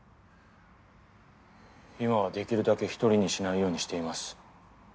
今はできるだけ１人にしないようにしています。